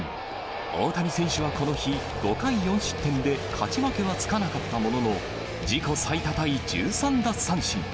大谷選手はこの日、５回４失点で勝ち負けはつかなかったものの、自己最多タイ１３奪三振。